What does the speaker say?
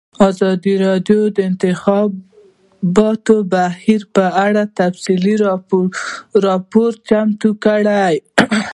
ازادي راډیو د د انتخاباتو بهیر په اړه تفصیلي راپور چمتو کړی.